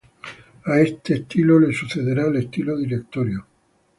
A este estilo le sucederá el Estilo Directorio.